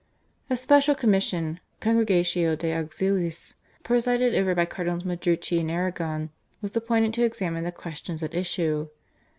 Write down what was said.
A special commission (/Congregatio de Auxiliis/), presided over by Cardinals Madrucci and Arrigone, was appointed to examine the questions at issue.